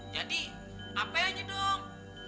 jadi apa yang didom